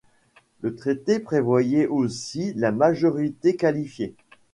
Le traité prévoyait aussi la majorité qualifiée.